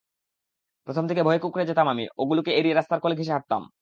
প্রথম দিকে ভয়ে কুঁকড়ে যেতাম আমি, ওগুলোকে এড়িয়ে রাস্তার কোল ঘেঁষে হাঁটতাম।